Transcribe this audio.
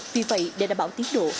vì vậy để đảm bảo tiến độ